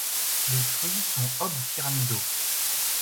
Les fruits sont obpyramidaux.